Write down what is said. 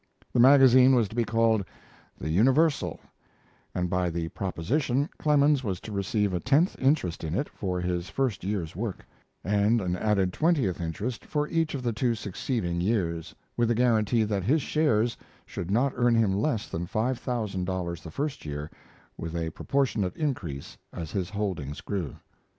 The magazine was to be called 'The Universal', and by the proposition Clemens was to receive a tenth interest in it for his first year's work, and an added twentieth interest for each of the two succeeding years, with a guarantee that his shares should not earn him less than five thousand dollars the first year, with a proportionate increase as his holdings grew.